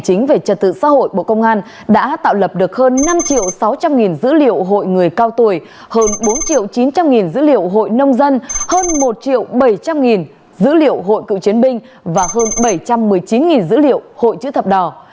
chính về trật tự xã hội bộ công an đã tạo lập được hơn năm sáu trăm linh dữ liệu hội người cao tuổi hơn bốn chín trăm linh dữ liệu hội nông dân hơn một bảy trăm linh dữ liệu hội cựu chiến binh và hơn bảy trăm một mươi chín dữ liệu hội chữ thập đỏ